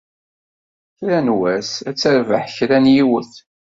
Kra n wass ad terbeḥ kra n yiwet.